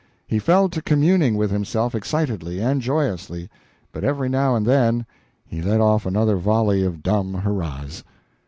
He fell to communing with himself excitedly and joyously, but every now and then he let off another volley of dumb hurrahs.